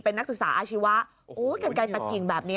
เป็นนักศึกษาอาชีวะโอ้โหยิ่งแบบนี้